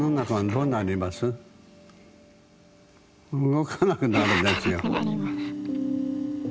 動かなくなるんですよ。